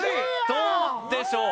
どうでしょう？